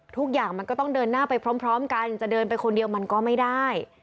ทุกอย่างมันก็ต้องเดินหน้าไปพร้อมกันจะเดินไปคนเดียวมันก็ไม่ได้